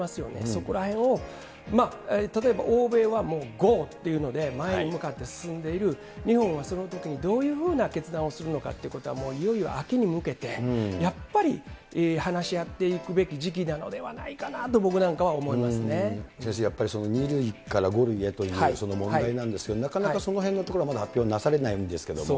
そこらへんを、例えば欧米はもうゴーっていうので、前に向かって進んでいる、日本はそのときにどういうふうな決断をするのかということは、もういよいよ秋に向けて、やっぱり話し合っていく時期なのではないかなと僕なんかは思いま先生、やっぱり２類から５類へっていうその問題なんですけど、なかなかそのへんのところは、まだ発表なされないんですけれども。